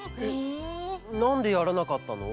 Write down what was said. なんでやらなかったの？